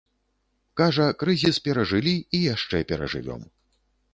Кажа, крызіс перажылі і яшчэ перажывём.